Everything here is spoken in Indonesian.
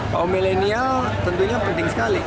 kaum milenial tentunya penting sekali